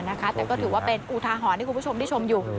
แต่ก็ถือว่าเป็นอุทาหรณ์ให้คุณผู้ชมที่ชมอยู่